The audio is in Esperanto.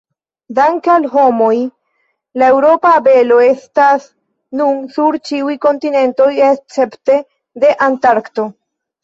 Dank'al la homoj, la eŭropa abelo estas nun sur ĉiuj kontinentoj escepte de Antarkto.